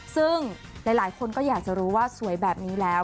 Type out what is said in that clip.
ซึ่งหลายคนก็อยากจะรู้ว่าสวยแบบนี้แล้ว